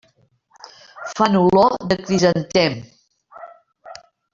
Fan olor de crisantem.